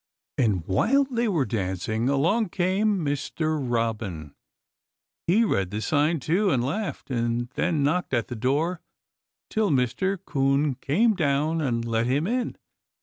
And while they were dancing along came Mr. Robin. He read the sign, too, and laughed, and then knocked at the door till Mr. 'Coon came down and let him in.